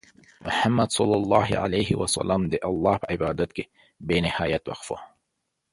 محمد صلى الله عليه وسلم د الله په عبادت کې بې نهایت وقف وو.